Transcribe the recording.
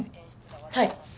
はい。